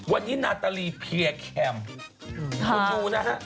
วันนี้นาตาลีเพียแคมป์คุณดูนะฮะ